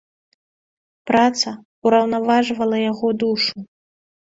Праца ўраўнаважвала яго душу.